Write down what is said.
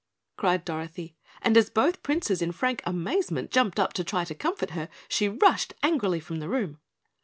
cried Dorothy, and as both Princes in frank amazement jumped up to try to comfort her, she rushed angrily from the room.